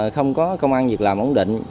không có công an việc làm ổn định